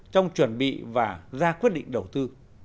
trong chuẩn bị và ra quyết định đầu tư